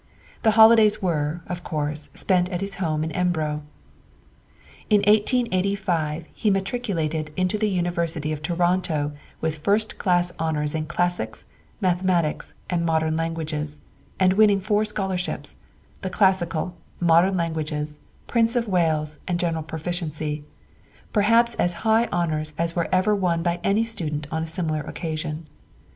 The holidays were, of course, spent at his home in Embro. In 1885 he matriculated into the University of Toronto with first class honors in classics, mathematics and modern languages, and winning four scholarships—the classical, modern languages, Prince of Wales and general proficiency—perhaps as high honors as were ever won by any student on a similar occasion.